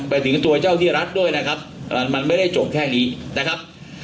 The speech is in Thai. ไปถึงตัวเจ้าที่รัฐด้วยนะครับมันไม่ได้จบแค่นี้นะครับ